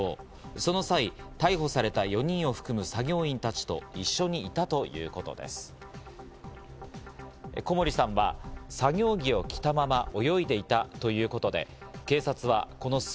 その際、逮捕された４人を含む作業員たちと一緒にいたということです。